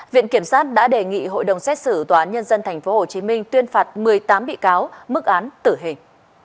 viện kiểm sát đã đề nghị hội đồng xét xử tòa án nhân dân tp hcm tuyên phạt một mươi tám bị cáo mức án tử hình